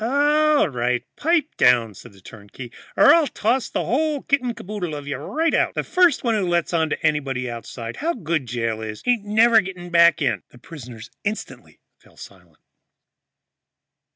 "All right, pipe down," said the turnkey, "or I'll toss the whole kit and caboodle of you right out. And first one who lets on to anybody outside how good jail is ain't never getting back in!" The prisoners instantly fell silent.